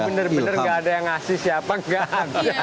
bener bener nggak ada yang ngasih siapa nggak ada